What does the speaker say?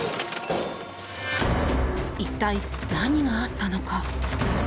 一体、何があったのか。